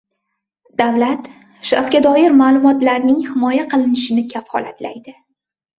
Davlat shaxsga doir ma’lumotlarning himoya qilinishini kafolatlaydi.